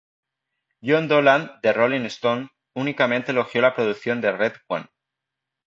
Jon Dolan de "Rolling Stone" únicamente elogio la producción de RedOne.